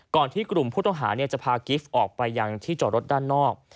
ก่อนที่กลุ่มผู้ต้องหาจะพากิฟต์ออกไปยังที่จอดรถด้านนอก